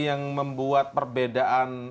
yang membuat perbedaan